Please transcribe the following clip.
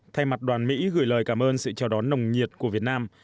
thay mặt đoàn mỹ gửi lời cảm ơn sự chào đón nồng nhiệt của việt nam